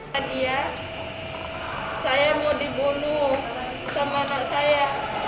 tadi ya saya mau dibunuh sama anak saya